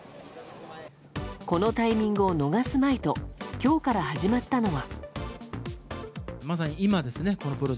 このタイミングを逃すまいと今日から始まったのは。